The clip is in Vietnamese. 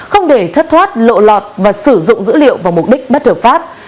không để thất thoát lộ lọt và sử dụng dữ liệu vào mục đích bất hợp pháp